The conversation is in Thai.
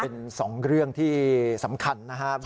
เป็นสองเรื่องที่สำคัญนะครับ